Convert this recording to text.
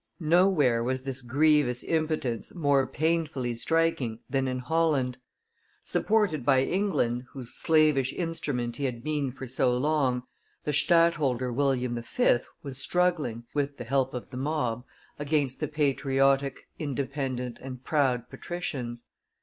Nowhere was this grievous impotence more painfully striking than in Holland. Supported by England, whose slavish instrument he had been for so long, the stadtholder William V. was struggling, with the help of the mob, against the patriotic, independent, and proud patricians.